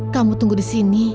kamu tunggu di sini